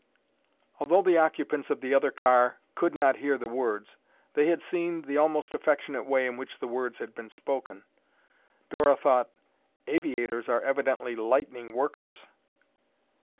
Although the occupants of the other car could not hear the words, they had seen the almost affectionate way in which the words had been spoken. Dora thought, "Aviators are evidently lightning workers."